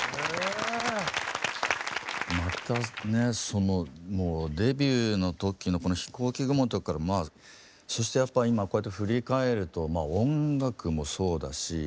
そのもうデビューの時のこの「ひこうき雲」の時からそしてやっぱ今こうやって振り返ると音楽もそうだし